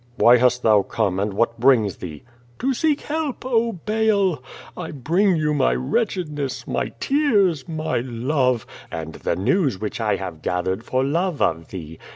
'^ "Why hast thou come, and what brings thee?" "To seek help, oh, Baal! I bring you my wretchedness, my tears, my love, and the news which I have gathered for love of thee.